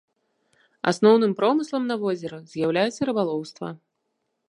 Асноўным промыслам на возеры з'яўляецца рыбалоўства.